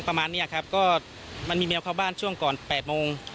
ประมาณนี้ครับก็มันมีแมวเข้าบ้านช่วงก่อน๘โมง